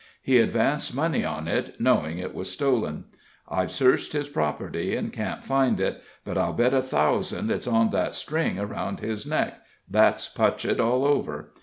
He advanced money on it, knowing it was stolen. I've searched his property and can't find it, but I'll bet a thousand it's on that string around his neck that's Putchett all over.